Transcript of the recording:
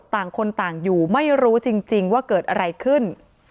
ต่างคนต่างอยู่ไม่รู้จริงว่าเกิดอะไรขึ้น